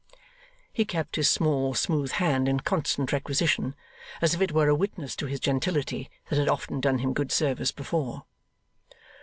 He kept his small smooth hand in constant requisition, as if it were a witness to his gentility that had often done him good service before.